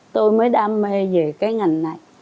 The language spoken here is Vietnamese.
tôi mới đam mê về cái ngành này